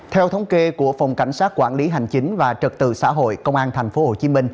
theo thống kê của phòng cảnh sát quản lý hành chính và trật tự xã hội công an tp hcm